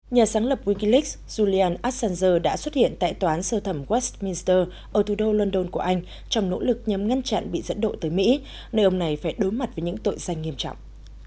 nhà sáng lập wingileaks julian assanger đã xuất hiện tại tòa án sơ thẩm westminster ở thủ đô london của anh trong nỗ lực nhằm ngăn chặn bị dẫn độ tới mỹ nơi ông này phải đối mặt với những tội danh nghiêm trọng